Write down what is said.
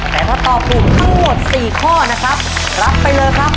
แต่ถ้าตอบถูกทั้งหมด๔ข้อนะครับรับไปเลยครับ